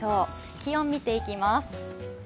気温を見ていきます。